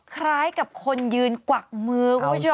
คล้ายกับคนยืนกวักมือคุณผู้ชม